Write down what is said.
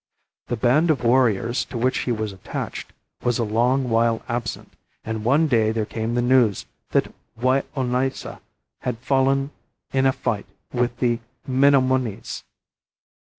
The band of warriors to which he was attached was a long while absent, and one day there came the news that Wai o naisa had fallen in a fight with the Menomones.